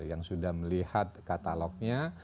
yang sudah melihat katalognya